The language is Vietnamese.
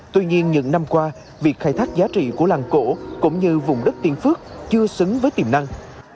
tuy nhiên những năm qua việc khai thác giá trị của làng cổ cũng như vùng đất tiên phước chưa xứng với tiềm năng